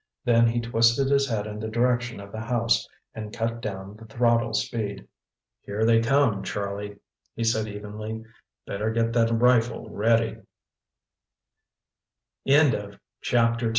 Then he twisted his head in the direction of the house, and cut down the throttle speed. "Here they come, Charlie!" he said evenly. "Better get that rifle rea